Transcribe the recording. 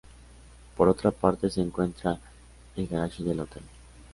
Por otra parte, se encuentra el garaje del hotel.